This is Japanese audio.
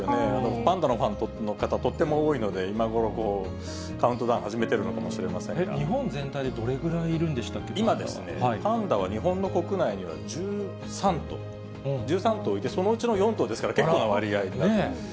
パンダのファンの方、とっても多いので、今頃、もうカウントダウ日本全体でどれぐらいいるん今ですね、パンダは日本の国内には１３頭、１３頭いて、そのうちの４頭ですから、結構な割合で。